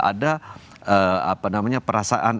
ada apa namanya perasaan